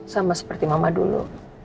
sama seperti mama dulu